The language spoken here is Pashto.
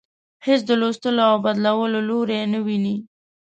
هیڅ د لوستلو او بدلولو لوری نه ويني.